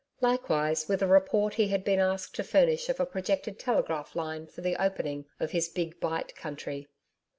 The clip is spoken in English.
Likewise with a report he had been asked to furnish of a projected telegraph line for the opening of his 'Big Bight Country'.